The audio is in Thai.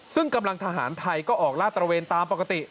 ซึ่งกำลังทหารไทยก็ออกลาดตระเวนตามปกติ